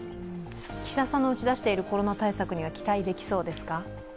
岸田さんの打ち出しているコロナ対策には期待できそうですか。